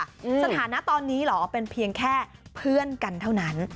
สถานะตอนนี้เหรอเป็นเพียงแค่เพื่อนกันเท่านั้น